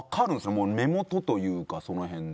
もう目元というかその辺で。